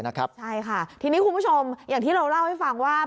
ใช่ค่ะทีนี้คุณผู้ชมอย่างที่เราเล่าให้ฟังว่า